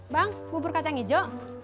bang bubur kacang hijau